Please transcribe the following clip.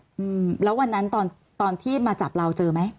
อืมแล้ววันนั้นตอนตอนที่มาจับเราเจอไหม